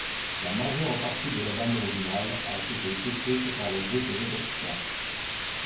La majeure partie de la bande originale a été écrite par le groupe Devotchka.